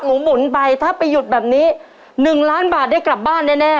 หมุนไปถ้าไปหยุดแบบนี้๑ล้านบาทได้กลับบ้านแน่